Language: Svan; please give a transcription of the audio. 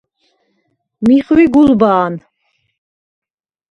მი ხვი გულბა̄ნ.